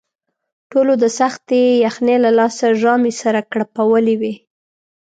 ټولو د سختې یخنۍ له لاسه ژامې سره کړپولې وې.